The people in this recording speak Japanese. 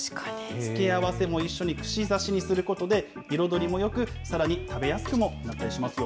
付け合わせも一緒に串刺しにすることで彩りもよく、さらに食べやすくもなったりしますよ。